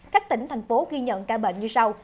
các tỉnh thành phố ghi nhận ca bệnh như sau